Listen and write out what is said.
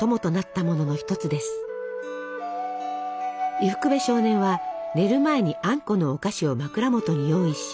伊福部少年は寝る前にあんこのお菓子を枕元に用意し